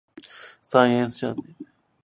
サイエンスチャンネル